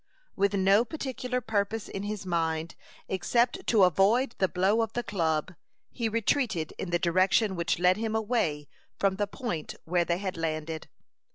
With no particular purpose in his mind, except to avoid the blow of the club, he retreated in the direction which led him away from the point where they had landed.